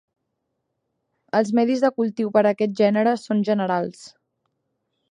Els medis de cultiu per a aquest gènere són generals.